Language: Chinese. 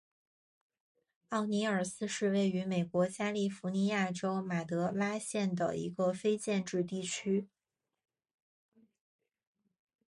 奥尼尔斯是位于美国加利福尼亚州马德拉县的一个非建制地区。